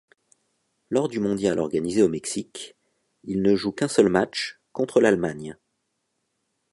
Lors du mondial organisé au Mexique, il ne joue qu'un seul match, contre l'Allemagne.